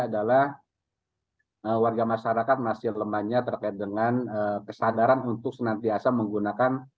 adalah warga masyarakat masih lemahnya terkait dengan kesadaran untuk senantiasa menggunakan